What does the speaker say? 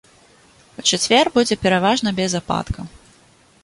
У чацвер будзе пераважна без ападкаў.